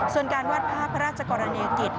ส่วนการวาดภาพพระราชกรณียกิจ